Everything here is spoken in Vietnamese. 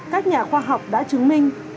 các nhà khoa học đã chứng minh